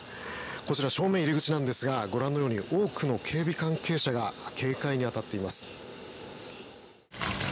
こちら、正面入り口なんですがご覧のように多くの警備関係者が警戒に当たっています。